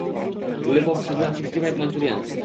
Lollipop, Szechuan, sixty five, Manchurian.